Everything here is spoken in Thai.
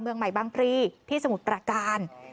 เมืองใหม่บางพรีที่สมุทรประการ